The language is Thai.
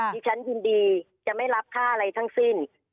ที่ฉันยินดีจะไม่รับค่าอะไรทั้งสิ้น